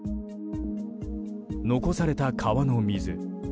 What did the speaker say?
残された川の水。